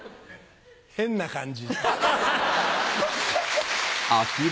変な感じ。